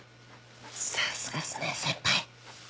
さすがっすね先輩！